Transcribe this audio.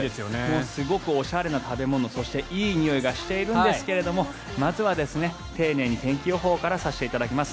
すごくおしゃれな食べ物そしていいにおいがしているんですけれどもまずは丁寧に天気予報からさせていただきます。